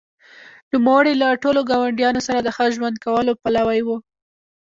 نوموړي له ټولو ګاونډیانو سره د ښه ژوند کولو پلوی و.